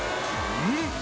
うん？